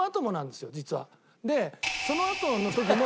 でそのあとの時も。